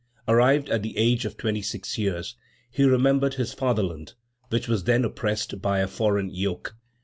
Arrived at the age of twenty six years, he remembered his fatherland, which was then oppressed by a foreign yoke.